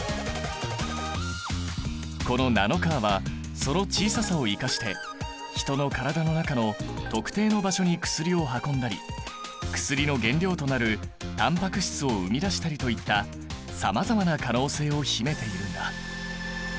このナノカーはその小ささを生かして人の体の中の特定の場所に薬を運んだり薬の原料となるタンパク質を生み出したりといったさまざまな可能性を秘めているんだ。